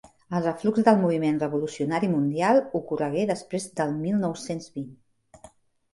El reflux del moviment revolucionari mundial ocorregué després del mil nou-cents vint.